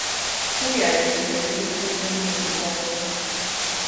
Újjáépített részei még mindig állnak.